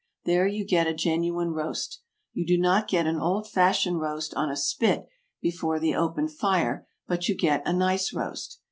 There you get a genuine roast. You do not get an old fashioned roast on a spit before the open fire, but you get a nice roast.